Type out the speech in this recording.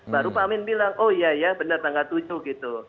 baru pak amin bilang oh iya ya benar tanggal tujuh gitu